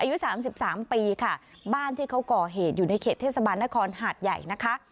อายุสามสิบสามปีค่ะบ้านที่เขาก่อเหตุอยู่ในเขตเทศบาลนครหาดใหญ่นะคะ